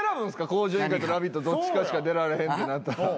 『向上委員会』と『ラヴィット！』どっちかしか出られへんってなったら。